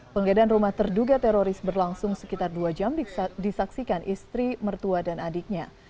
penggedaan rumah terduga teroris berlangsung sekitar dua jam disaksikan istri mertua dan adiknya